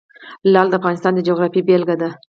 لعل د افغانستان د جغرافیې بېلګه ده.